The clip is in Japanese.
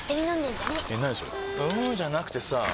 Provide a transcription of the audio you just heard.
んーじゃなくてさぁ